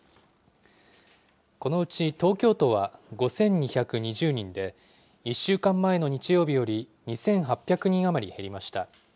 このうち東京都は５２２０人で、１週間前の日曜日より２８００人余り減りました。